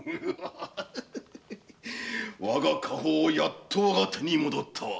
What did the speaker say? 我が家宝やっと我が手に戻ったわ。